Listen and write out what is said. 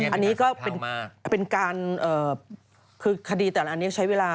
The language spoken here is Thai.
อันนี้ก็เป็นการคือคดีแต่ละอันนี้ใช้เวลา